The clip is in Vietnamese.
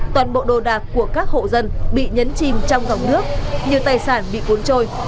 toàn bộ đồ đạc của các hộ dân bị nhấn chìm trong dòng nước nhiều tài sản bị cuốn trôi